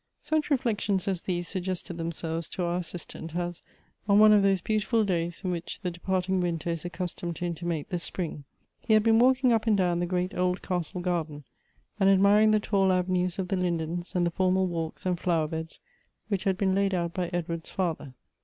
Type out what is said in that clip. Such reflections as these suggested themselves to our Assistant, as, on one of those beautiful days in which the departing winter is accustomed to intimate the spring, he had been w^alking up and down the great old castle garden, and admiring the tall avenues of the lindens, and the formal walks and flower beds which had been laid out by Edward's father.